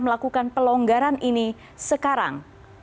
melakukan pelonggaran ini sekarang